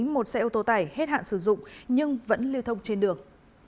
một xe ô tô tải hết hạn sử dụng nhưng vẫn lưu thông trên đường